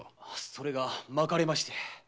それが撒かれまして。